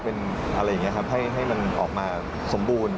เป็นอะไรอย่างนี้ครับให้มันออกมาสมบูรณ์